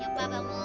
ya pak bangun